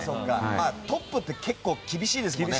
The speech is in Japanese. トップって結構厳しいですもんね。